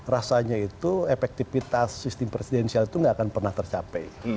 rasanya itu efektivitas sistem presidensial itu nggak akan pernah tercapai